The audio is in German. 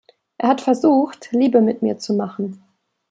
Er hat versucht, Liebe mit mir zu machen.